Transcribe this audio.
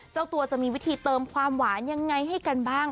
เจ้าตัวจะมีวิธีเติมความหวานยังไงให้กันบ้าง